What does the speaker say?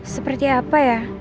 seperti apa ya